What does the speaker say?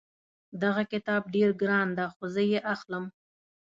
دغه کتاب ډېر ګران ده خو زه یې اخلم